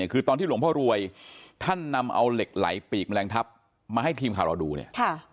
คือตอนที่หลวงพ่อรวยท่านนำเอาเหล็กไหลปีกแมลงทัพมาให้ทีมข่าวเราดูเนี่ย